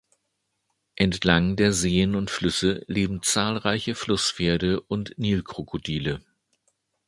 Entlang der Seen und Flüsse leben zahlreiche Flusspferde und Nilkrokodile.